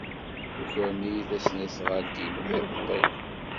Ukren-iyi tasnasɣalt-inu iḍelli.